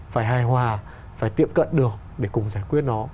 phải hài hòa phải tiệm cận được để cùng giải quyết nó